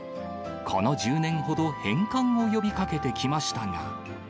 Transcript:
この１０年ほど、返還を呼びかけてきましたが。